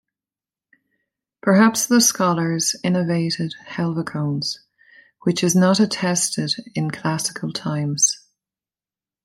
Perhaps the scholars innovated Helvecones, which is not attested in classical times.